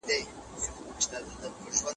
په شته امکاناتو ښه کار کول مهم دي.